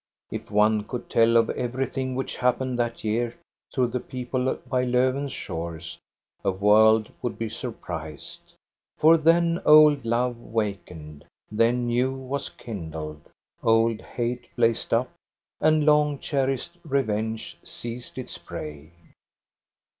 If one could tell of everything which happened that year to the people by Lofven's shores a world would be surprised. For then old love wakened, then new was kindled. Old hate blazed up, and long cherished revenge seized its prey.